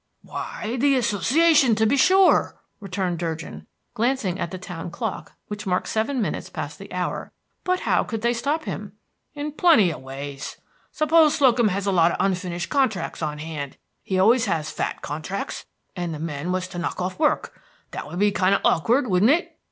"Why, the Association, to be sure," returned Durgin, glancing at the town clock, which marked seven minutes past the hour. "But how could they stop him?" "In plenty of ways. Suppose Slocum has a lot of unfinished contracts on hand, he always has fat contracts, and the men was to knock off work. That would be kind of awkward, wouldn't it?"